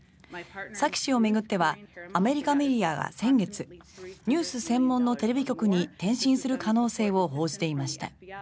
サキ氏を巡ってはアメリカメディアが先月ニュース専門のテレビ局に転身する可能性を報じていました。